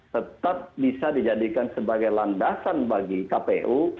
tetap bisa dijadikan sebagai landasan bagi kpu